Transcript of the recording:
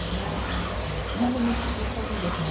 ちなみに先ほどですね